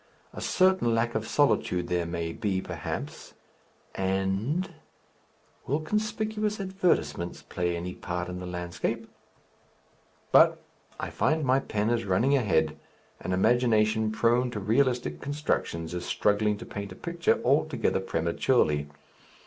A certain lack of solitude there may be perhaps, and Will conspicuous advertisements play any part in the landscape?... But I find my pen is running ahead, an imagination prone to realistic constructions is struggling to paint a picture altogether prematurely.